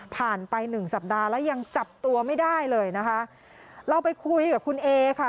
ไปหนึ่งสัปดาห์แล้วยังจับตัวไม่ได้เลยนะคะเราไปคุยกับคุณเอค่ะ